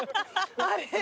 あれ？